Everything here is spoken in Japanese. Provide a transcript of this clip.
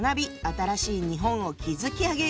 新しい日本を築き上げよう！」。